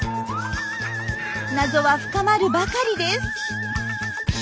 謎は深まるばかりです。